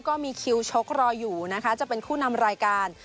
ก็มีคิวชกรออยู่นะคะจะเป็นคู่นำรายการ